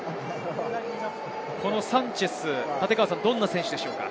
サンチェス、どんな選手でしょうか？